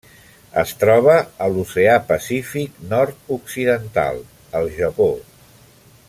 Es troba a l'Oceà Pacífic nord-occidental: el Japó.